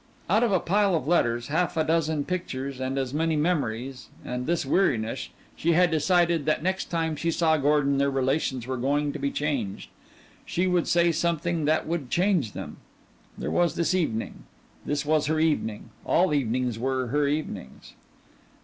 Out of a pile of letters, half a dozen pictures and as many memories, and this weariness, she had decided that next time she saw Gordon their relations were going to be changed. She would say something that would change them. There was this evening. This was her evening. All evenings were her evenings.